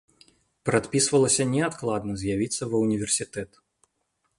Прадпісвалася неадкладна з'явіцца ва ўніверсітэт.